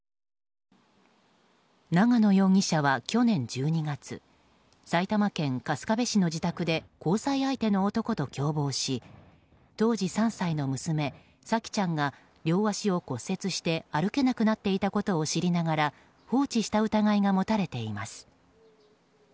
長野容疑者は、去年１２月埼玉県春日部市の自宅で交際相手の男と共謀し当時３歳の娘・沙季ちゃんが両足を骨折して歩けなくなっていたことを知りながら放置した疑いが持たれています。